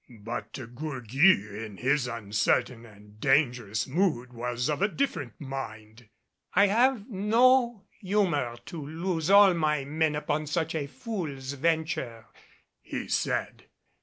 But De Gourgues in his uncertain and dangerous mood was of a different mind. "I have no humor to lose all my men upon such a fool's venture," he said.